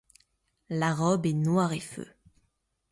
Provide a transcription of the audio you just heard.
La robe est noire et feu.